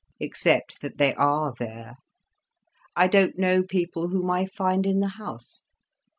"Except that they are there. I don't know people whom I find in the house.